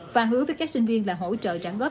và hứa với các sinh viên là hỗ trợ trả góp